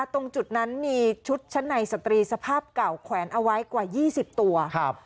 ตรงจุดนั้นมีชุดชั้นในสตรีสภาพเก่าแขวนเอาไว้กว่า๒๐ตัวครับ